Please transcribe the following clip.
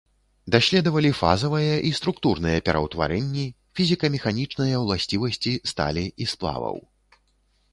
Даследавалі фазавыя і структурныя пераўтварэнні, фізіка-механічныя ўласцівасці сталі і сплаваў.